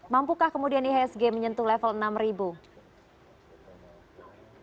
mampukah kemudian ihsg menyentuh level enam ribu